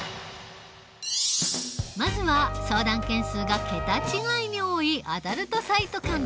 まずは相談件数が桁違いに多いアダルトサイト関連。